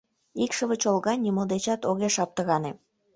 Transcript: Икшыве чолга, нимо дечат огеш аптыране.